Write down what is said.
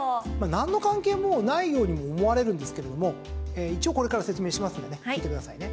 なんの関係もないようにも思われるんですけれども一応これから説明しますので聞いてくださいね。